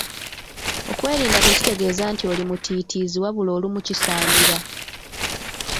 Okwerinda tekitegeeza nti olimutiitiizi wabula olumu kisaanira.